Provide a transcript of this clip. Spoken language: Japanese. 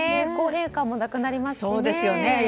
不公平感もなくなりますしね。